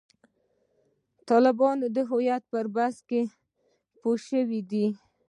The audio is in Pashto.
طالبان د هویت پر بحث کې پوه شوي دي.